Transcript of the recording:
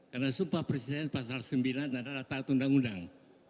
karena sumpah presiden pasal sembilan ada rata rata undang undang